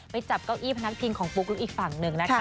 จับเก้าอี้พนักพิงของปุ๊กลุ๊กอีกฝั่งหนึ่งนะคะ